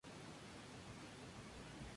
Iwao Yamane